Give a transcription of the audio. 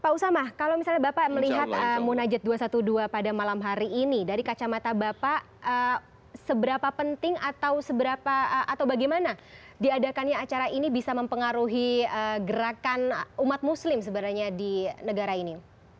pak usama kalau misalnya bapak melihat munajat dua ratus dua belas pada malam hari ini dari kacamata bapak seberapa penting atau seberapa atau bagaimana diadakannya acara ini bisa mempengaruhi gerakan umat muslim sebenarnya di negara ini